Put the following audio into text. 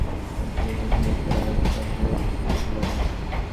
একটিতে থাকেন ডাক্তার, আর একটি আমাদের দিয়েছিল।